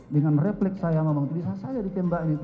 dengan refleks saya memang bisa saja ditembak ini